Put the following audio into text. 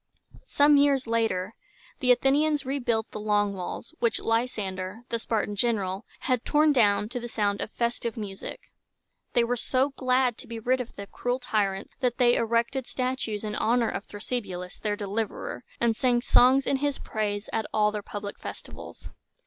Some years later the Athenians rebuilt the Long Walls, which Ly san´der, the Spartan general, had torn down to the sound of festive music. They were so glad to be rid of the cruel tyrants, that they erected statues in honor of Thrasybulus, their deliverer, and sang songs in his praise at all their public festivals.